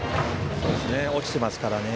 落ちてますからね。